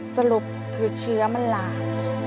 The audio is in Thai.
สรุปคือเชื้อมันหลาก